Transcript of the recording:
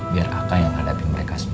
biar aka yang hadapi mereka semua